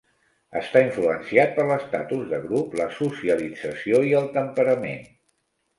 Està influenciat per l'estatus de grup, la socialització i el temperament.